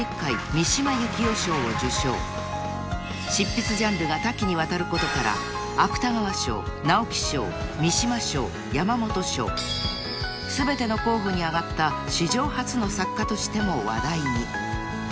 ［執筆ジャンルが多岐にわたることから芥川賞直木賞三島賞山本賞全ての候補に挙がった史上初の作家としても話題に］